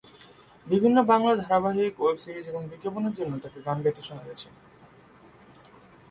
বিভিন্ন বাংলা ধারাবাহিক, web series এবং বিজ্ঞাপনের জন্যেও তাঁকে গান গাইতে শোনা গেছে।